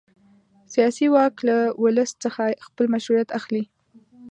سیاسي واک له ولس څخه خپل مشروعیت اخلي.